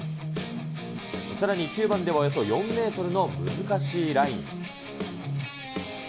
さらに９番ではおよそ４メートルの難しいライン。